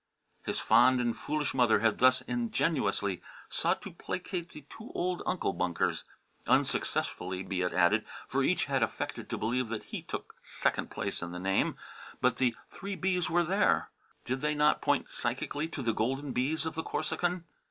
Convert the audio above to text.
His fond and foolish mother had thus ingenuously sought to placate the two old Uncle Bunkers; unsuccessfully, be it added, for each had affected to believe that he took second place in the name. But the three B's were there; did they not point psychically to the golden bees of the Corsican?